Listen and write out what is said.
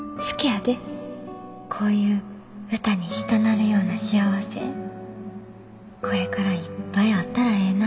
こういう歌にしたなるような幸せこれからいっぱいあったらええな。